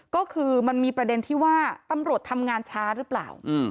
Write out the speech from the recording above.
ก็คือมันมีประเด็นที่ว่าตำรวจทำงานช้าหรือเปล่า